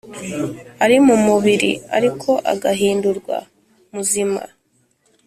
ari mu mubiri ariko agahindurwa muzima